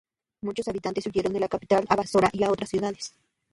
Muchos habitantes huyeron de la capital a Basora y a otras ciudades.